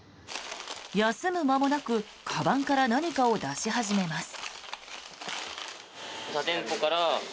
休む間もなくかばんから何かを出し始めます。